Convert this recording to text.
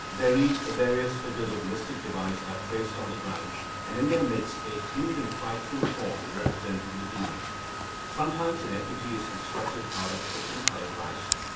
Thereat various figures of mystic device are traced on the ground, and in their midst a huge and frightful form representing the demon. Sometimes an effigy is constructed out of cooked and coloured rice.